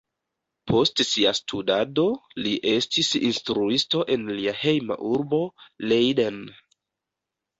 Post sia studado, li estis instruisto en lia hejma urbo Leiden.